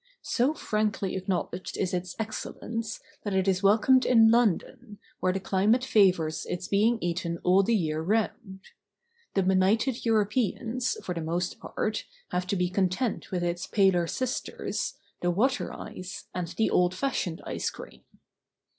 So frankly acknowledged is its excellence, that it is welcomed in London, where the climate favors its being eaten all the year round. The benighted Europeans, for the most part, have to be content with its paler sisters, the Water Ice, and the old fashioned Ice Cream.